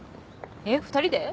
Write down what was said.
えっ２人で？